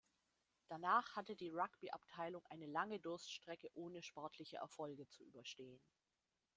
Danach hatte die Rugby-Abteilung eine lange Durststrecke ohne sportliche Erfolge zu überstehen.